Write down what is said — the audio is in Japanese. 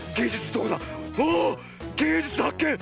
げいじゅつはっけん！